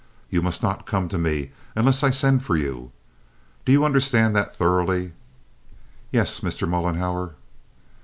You must not come to me unless I send for you. Do you understand that thoroughly?" "Yes, Mr. Mollenhauer."